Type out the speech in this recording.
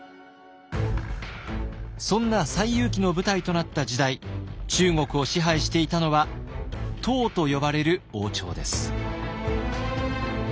そんな「西遊記」の舞台となった時代中国を支配していたのは唐と呼ばれる王朝です。